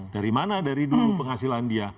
dari mana dari dulu penghasilan dia